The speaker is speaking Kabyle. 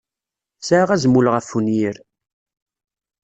Tesɛa azmul ɣef wenyir.